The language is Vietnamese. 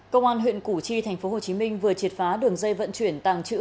công an huyện củ chi tp hcm vừa triệt phá đường dây vận chuyển tàng trữ